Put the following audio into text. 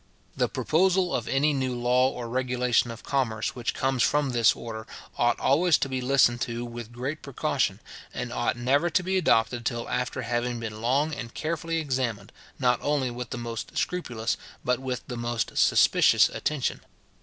The proposal of any new law or regulation of commerce which comes from this order, ought always to be listened to with great precaution, and ought never to be adopted till after having been long and carefully examined, not only with the most scrupulous, but with the most suspicious attention.